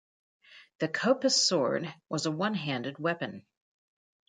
The kopis sword was a one-handed weapon.